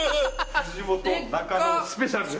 藤本中野スペシャルです！